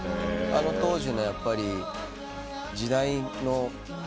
あの当時のやっぱり時代の。